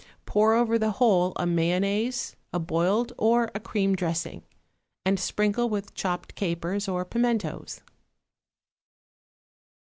Pour over the whole a mayonnaise, a boiled or a cream dressing, and sprinkle with chopped capers or pimentos.